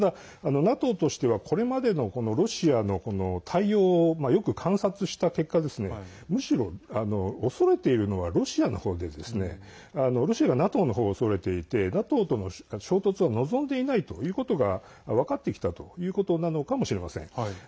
ただ、ＮＡＴＯとしてはこれまでのロシアの対応をよく観察した結果、むしろ恐れているのはロシアの方でロシアがＮＡＴＯの方を恐れていてＮＡＴＯとの衝突を望んでいないということが分かってきたということなのかもしれません。